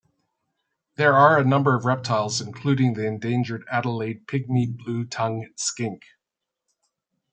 There are a number of reptiles including the endangered Adelaide pygmy blue-tongue skink.